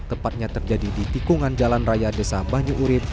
tepatnya terjadi di tikungan jalan raya desa banyu urit